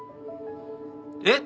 えっ！